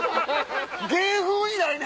芸風にないで！